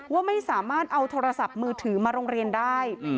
ว่าไม่สามารถเอาโทรศัพท์มือถือมาโรงเรียนได้